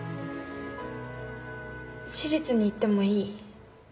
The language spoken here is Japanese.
私立に行ってもいい？